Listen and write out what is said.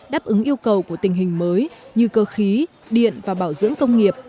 đáp ứng yêu cầu của tình hình mới như cơ khí điện và bảo dưỡng công nghiệp